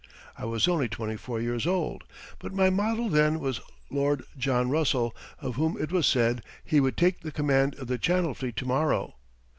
I was only twenty four years old, but my model then was Lord John Russell, of whom it was said he would take the command of the Channel Fleet to morrow.